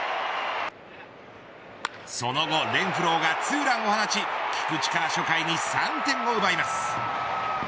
その後レンフローがツーランを放ち菊池から初回に３点を奪います。